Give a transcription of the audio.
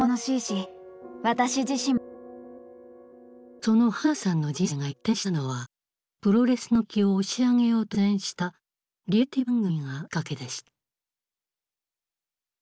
その花さんの人生が一転したのはプロレスの人気を押し上げようと出演したリアリティー番組がきっかけでした。